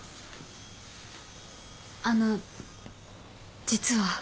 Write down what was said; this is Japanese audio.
あの実は。